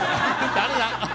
誰だ？